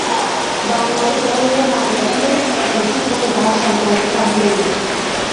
বনোয়ারি যাহা লইয়া মাতিয়া ছিল উপস্থিতমত তাহার শান্তি হইল।